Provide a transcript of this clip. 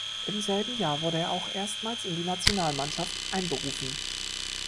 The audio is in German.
Im selben Jahr wurde er auch erstmals in die Nationalmannschaft einberufen.